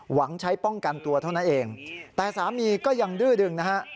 หวังใช้ป้องกันตัวเท่านั้นเองแต่สามีก็ยังดื้อดึงนะฮะ